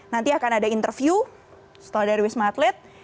nanti akan ada interview setelah dari wisma atlet